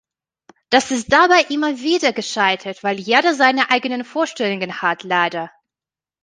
Das ist daber immer wieder gescheitert, weil jeder seine eigenen Vorstellungen hat, leider!